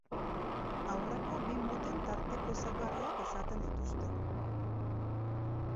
Aurreko bi moten tarteko ezaugarriak izaten dituzte.